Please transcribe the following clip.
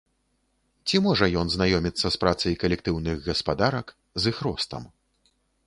Ці можа ён знаёміцца з працай калектыўных гаспадарак, з іх ростам?